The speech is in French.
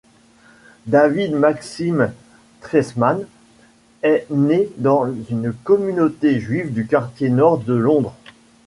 David Maxim Triesman est né dans une communauté juive du quartier nord de Londres.